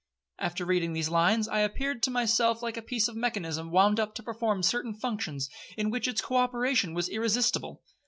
'After reading these lines, I appeared to myself like a piece of mechanism wound up to perform certain functions, in which its co operation was irresistible.